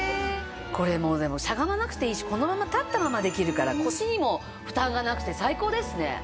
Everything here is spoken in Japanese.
これもうでもしゃがまなくていいしこのまま立ったままできるから腰にも負担がなくて最高ですね！